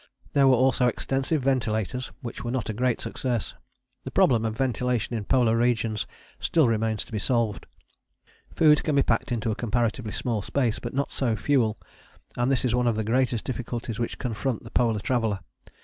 There were also extensive ventilators which were not a great success. The problem of ventilation in polar regions still remains to be solved. Food can be packed into a comparatively small space, but not so fuel, and this is one of the greatest difficulties which confront the polar traveller.